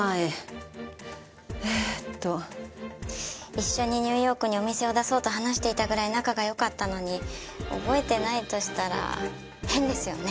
一緒にニューヨークにお店を出そうと話していたぐらい仲が良かったのに覚えてないとしたら変ですよね？